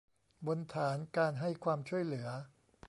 บนฐานการให้ความช่วยเหลือ